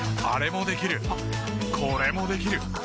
あれもできるこれもできる。